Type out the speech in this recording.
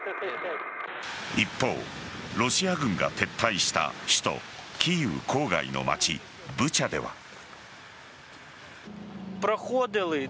一方、ロシア軍が撤退した首都・キーウ郊外の町ブチャでは。